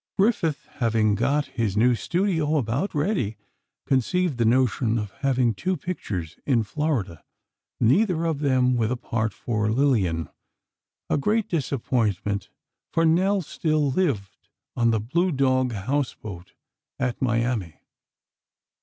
Griffith, having got his new studio about ready, conceived the notion of making two pictures in Florida, neither of them with a part for Lillian—a great disappointment, for Nell still lived on the Blue Dog houseboat, at Miami.